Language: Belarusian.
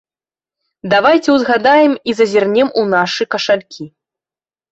Давайце ўзгадаем і зазірнем у нашы кашалькі.